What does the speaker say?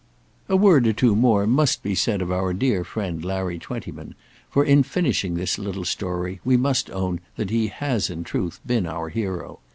A word or two more must be said of our dear friend Larry Twentyman; for in finishing this little story we must own that he has in truth been our hero.